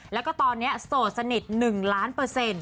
แล้วก็ตอนนี้โสดสนิท๑ล้านเปอร์เซ็นต์